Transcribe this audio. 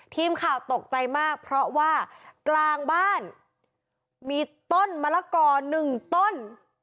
ทีมข่าวตกใจมากเพราะว่ากลางบ้านมีต้นมะละกอหนึ่งต้น